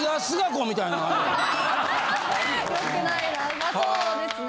まあそうですね。